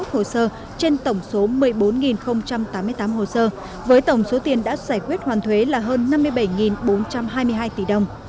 một mươi ba bảy trăm bốn mươi một hồ sơ trên tổng số một mươi bốn tám mươi tám hồ sơ với tổng số tiền đã giải quyết hoàn thuế là hơn năm mươi bảy bốn trăm hai mươi hai tỷ đồng